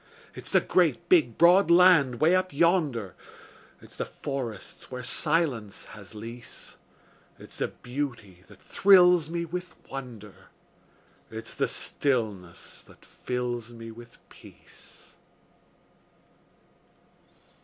It's the great, big, broad land 'way up yonder, It's the forests where silence has lease; It's the beauty that thrills me with wonder, It's the stillness that fills me with peace.